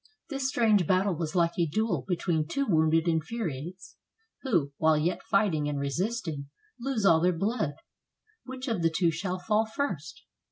This strange battle was like a duel between two wounded infuriates, who, while yet fighting and resisting, lose all their blood. Which of the two shall fall first?